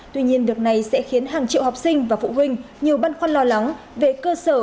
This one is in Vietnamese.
tuy nhiên việc này sẽ khiến hàng triệu học sinh và phụ huynh nhiều băn khoăn lo lắng về cơ sở